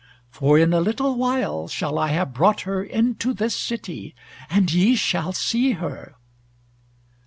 For in a little while shall I have brought her into this city, and ye shall see her."